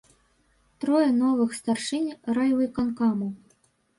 Трое новых старшынь райвыканкамаў.